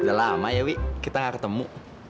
udah lama ya wi kita gak ketemu